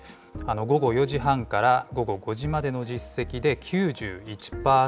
午後４時半から午後５時までの実績で、９１％。